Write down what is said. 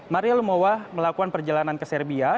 maria lumowa melakukan perjalanan ke serbia